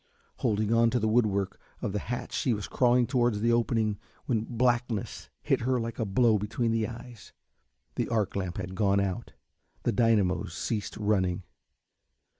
Holding on to the woodwork of the hatch she was crawling towards the opening when blackness hit her like a blow between the eyes. The arc lamp had gone out, the dynamos had ceased running.